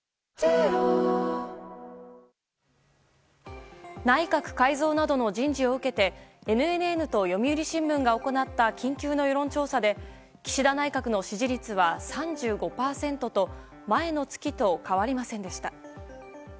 わぁ内閣改造などの人事を受けてＮＮＮと読売新聞が行った緊急の世論調査で岸田内閣の支持率は３５％と前の月と変わりませんでした。